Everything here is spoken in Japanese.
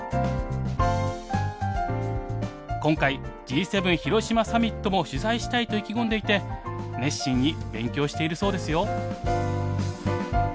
今回Ｇ７広島サミットも取材したいと意気込んでいて熱心に勉強しているそうですよ。